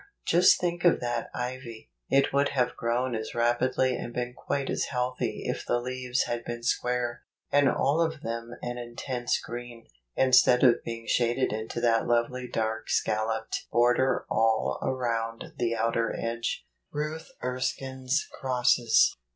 Just think of that ivy, it would have grown as rapidly and been quite as healthy if the leaves had been square, and all of them an intense green, instead of being shaded into that lovely dark scalloped bor¬ der all around the outer edge. Ruth Erskine's Crosses.